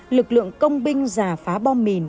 lực lượng công binh giả phá bom mìn